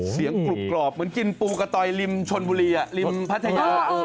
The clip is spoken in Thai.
เสียงกรูปกรอบเหมือนกินปูกะตอยริมชนบุรีริมพระเทศ